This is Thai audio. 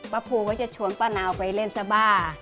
ภูก็จะชวนป้านาวไปเล่นซาบ้า